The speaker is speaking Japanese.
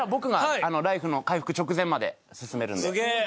すげえ！